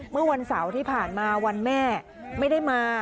เมื่อวันเสาร์ที่ผ่านมาวันแม่ไม่ได้มา